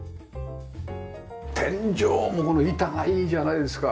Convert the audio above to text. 天井もこの板がいいじゃないですか。